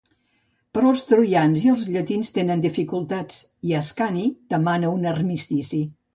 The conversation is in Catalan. Però els troians i els llatins tenen dificultats i Ascani demana un armistici.